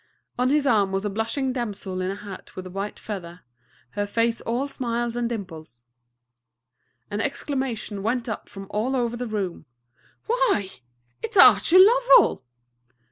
On his arm was a blushing damsel in a hat with a white feather, her face all smiles and dimples. An exclamation went up from all over the room. "Why, it's Archie Lovell!"